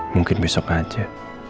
mungkin besok aja